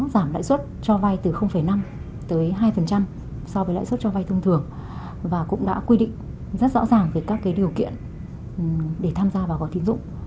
giảm lãi suất cho vay từ năm tới hai so với lãi suất cho vay thông thường và cũng đã quy định rất rõ ràng về các điều kiện để tham gia vào gói tín dụng